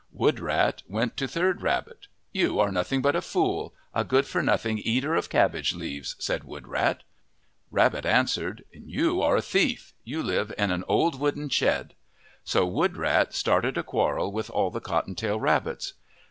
Woodrat went to Third Rabbit. " You are noth ing but a fool a good for nothing eater of cabbage leaves," said Woodrat. Rabbit answered, " You are a thief. You live in an old wooden shed." So Woodrat started a quarrel with all the cotton tail rabbits.